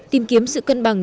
tìm kiếm sự cân bằng